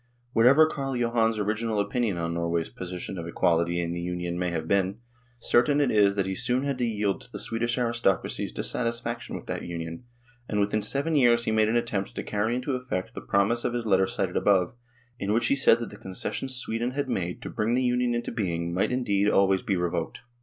Whatever Carl Johan's original opinion on Norway's position of equality in the Union may have been, certain it is that he soon had to yield to the Swedish aristocracy's dissatisfaction with that Union, and within seven years he made an attempt to carry into effect the promise of his letter cited above, in which he said that the concessions Sweden had made to bring the Union into being might indeed always be revoked.